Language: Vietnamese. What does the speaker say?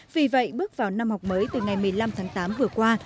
vì vậy bước vào năm học mới từ ngày một mươi năm tháng tám vừa qua